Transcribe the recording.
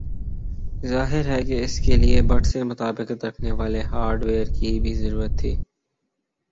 ظاہر ہے کہ اس کے لئے بٹ سے مطابقت رکھنے والے ہارڈویئر کی بھی ضرورت تھی